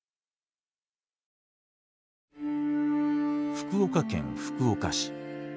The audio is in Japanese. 福岡県福岡市。